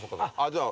じゃあ。